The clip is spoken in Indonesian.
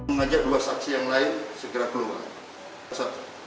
mengajak dua saksi yang lain segera keluar